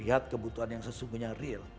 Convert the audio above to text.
lihat kebutuhan yang sesungguhnya real